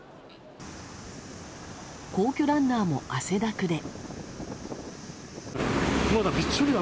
皇居ランナーも汗だくで。